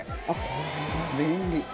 これは便利。